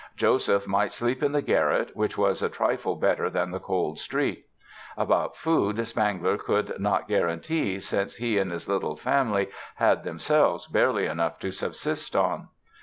Joseph might sleep in the garret, which was a trifle better than the cold street. About food Spangler could not guarantee, since he and his little family had themselves barely enough to subsist on.